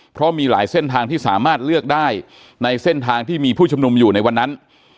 เพราะมีหลายเส้นทางที่สามารถเลือกได้ในเส้นทางที่มีผู้ชุมนุมอยู่ในวันนั้น